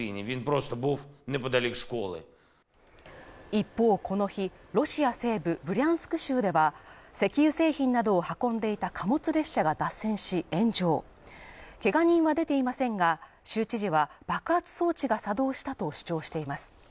一方この日、ロシア西部ブリャンスク州では、石油製品などを運んでいた貨物列車が脱線し炎上、けが人は出ていませんが、州知事は爆発装置が作動したと主張しています。